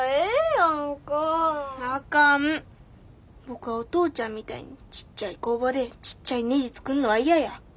僕はお父ちゃんみたいにちっちゃい工場でちっちゃいねじ作んのは嫌や。